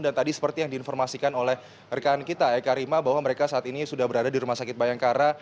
dan tadi seperti yang diinformasikan oleh rekan kita eka rima bahwa mereka saat ini sudah berada di rumah sakit bayangkara